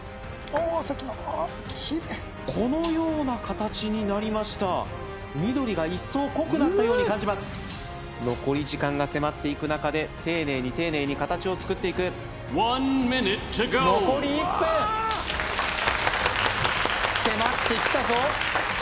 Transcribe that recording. あーさっきのああーきれいこのような形になりました緑が一層濃くなったように感じます残り時間が迫っていく中で丁寧に丁寧に形を作っていく残り１分迫ってきたぞ